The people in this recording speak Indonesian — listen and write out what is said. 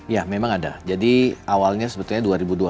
ya memang ada jadi awalnya sebetulnya dua ribu dua puluh